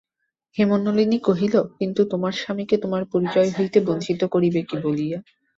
হেমনলিনী কহিল, কিন্তু তোমার স্বামীকে তোমার পরিচয় হইতে বঞ্চিত করিবে কী বলিয়া।